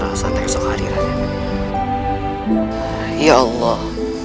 berarti dia sedih